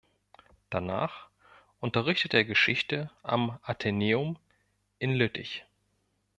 Danach unterrichtete er Geschichte am Athenäum in Lüttich.